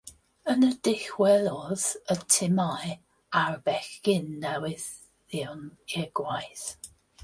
Yna dychwelodd y timau a'r bechgyn newyddion i'r gwaith.